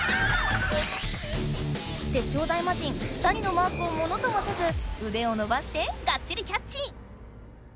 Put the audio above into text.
テッショウ大魔神２人のマークをものともせずうでをのばしてがっちりキャッチ！